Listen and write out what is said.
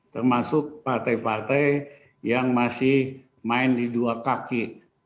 termasuk partai partai yang masih main di dua kaki